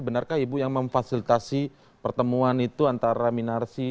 benarkah ibu yang memfasilitasi pertemuan itu antara minarsi